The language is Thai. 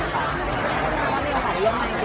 การรับความรักมันเป็นอย่างไร